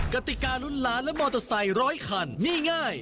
กติการุ้นล้านและมอเตอร์ไซค์ร้อยคันนี่ง่าย